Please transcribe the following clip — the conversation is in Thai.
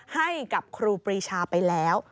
ให้กับครูปรีชาไปแล้ว